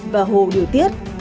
và hồ điều tiết